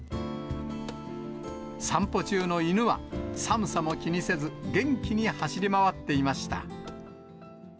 散歩中の犬は、寒さも気にせず、元気に走り回っていました。